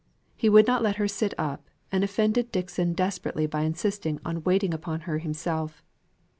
He would not let her sit up, and offended Dixon desperately by insisting on waiting upon her himself.